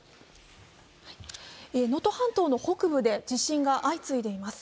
能登半島の北部で地震が相次いでいます。